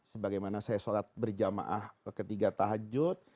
sebagai mana saya sholat berjamaah ketiga tahajud